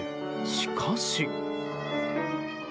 しかし。